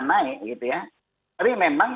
naik tapi memang